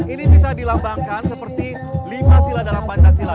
ini bisa dilambangkan seperti lima sila dalam pancasila